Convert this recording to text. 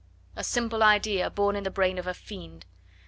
A simple idea born in the brain of a fiend.